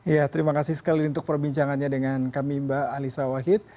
ya terima kasih sekali untuk perbincangannya dengan kami mbak alisa wahid